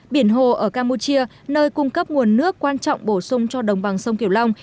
biển hồ ở campuchia nơi cung cấp nguồn nước quan trọng bổ sung cho đồng bằng sông kiểu long